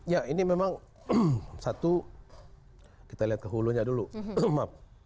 ya ini memang satu kita lihat ke hulunya dulu lemap